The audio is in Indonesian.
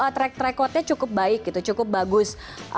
track track out nya cukup baik cukup bagus